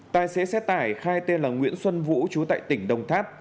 tài xế xe tải khai tên là nguyễn xuân vũ chú tại tỉnh đồng tháp